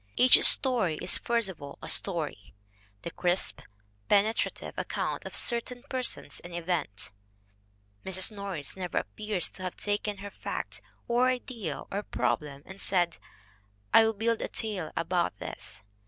Each story is first of all a story, the crisp, pene trative account of certain persons and events. Mrs. Norris never appears to have taken her fact or idea or problem and said, "I will build a tale about this."